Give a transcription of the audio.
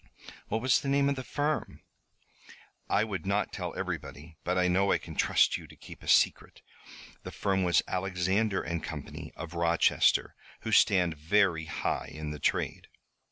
"What was the name of the firm?" "I would not tell everybody, but I know I can trust you to keep a secret. The firm was Alexander & Company, of Rochester, who stand very high in the trade.